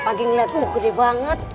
pagi ngeliat kukude banget